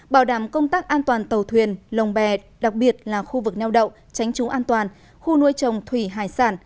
bảo đảm công tác an toàn tàu thuyền lồng bè đặc biệt là khu vực neo đậu tránh trú an toàn khu nuôi trồng thủy hải sản